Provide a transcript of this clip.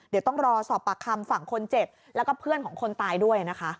เดี๋ยวต้องรอสอบปากคำฝั่งคนเจ็บแล้วก็เพื่อนของคนตายด้วยนะคะ